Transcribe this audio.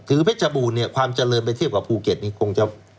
คือเพชรบูรณ์เนี่ยความเจริญไปเทียบกับภูเก็ตนี่คงจะ